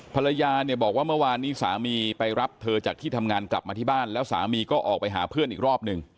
ภรรยาเนี่ยบอกว่าเมื่อวานนี้สามีไปรับเธอจากที่ทำงานกลับมาที่บ้านแล้วสามีก็ออกไปหาเพื่อนอีกรอบหนึ่ง